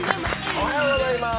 おはようございます！